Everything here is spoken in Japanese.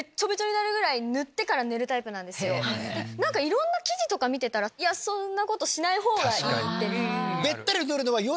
いろんな記事とか見てたらそんなことしないほうがいいって。